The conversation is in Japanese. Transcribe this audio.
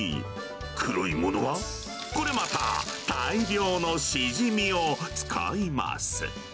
黒いものは、これまた、大量のシジミを使います。